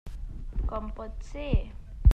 Com pot ser?